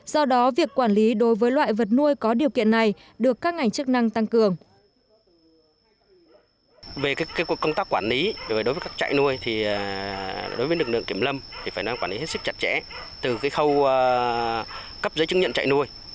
do đó việc quản lý đối với loại vật nuôi có điều kiện này